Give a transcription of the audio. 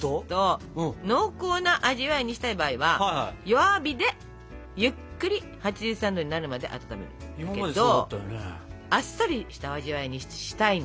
濃厚な味わいにしたい場合は弱火でゆっくり８３℃になるまで温めるんだけどあっさりした味わいにしたいので。